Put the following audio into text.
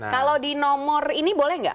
kalau di nomor ini boleh nggak